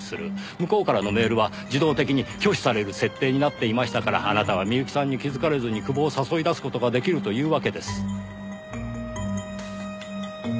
向こうからのメールは自動的に拒否される設定になっていましたからあなたは深雪さんに気づかれずに久保を誘い出す事が出来るというわけです。